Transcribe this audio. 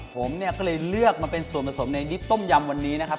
ผมเนี่ยก็เลยเลือกมาเป็นส่วนผสมในดิบต้มยำวันนี้นะครับ